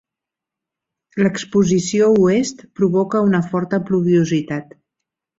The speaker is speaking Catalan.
L'exposició oest provoca una forta pluviositat.